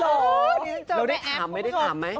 เราได้ถามไม่ได้ถามไหม